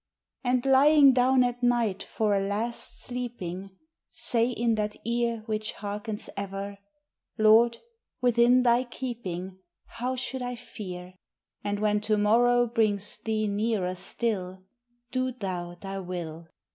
And, lying down at night for a last sleeping, Say in that ear Which hearkens ever: " Lord, within thy keeping How should I fear? 364 THE HIGHER LIFE. And when to morrow brings thee nearer still, Do thou thy will."